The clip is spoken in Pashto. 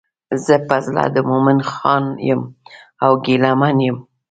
زه په زړه د مومن خان یم او ګیله منه یم.